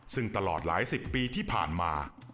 ซึ่งตลอดหลายสิบปีที่ผ่านมา